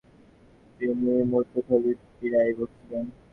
তিনি মূত্রথলির পীড়ায় ভুগছিলেন।